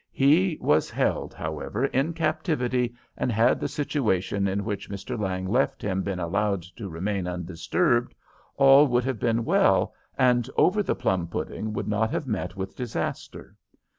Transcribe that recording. He was held, however, in captivity, and had the situation in which Mr. Lang left him been allowed to remain undisturbed, all would have been well, and "Over the Plum Pudding" would not have met with disaster.